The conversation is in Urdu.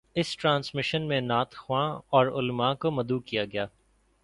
اس ٹرانسمیشن میں نعت خواں اور علمأ کو مدعو کیا گیا